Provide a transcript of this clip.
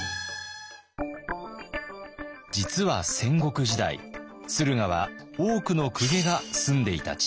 実は戦国時代駿河は多くの公家が住んでいた地域です。